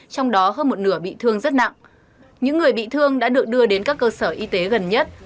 trong đó hơn một nửa bị thương rất nặng những người bị thương đã được đưa đến các cơ sở y tế gần nhất